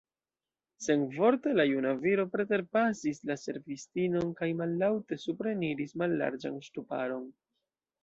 Senvorte la juna viro preterpasis la servistinon kaj mallaŭte supreniris mallarĝan ŝtuparon.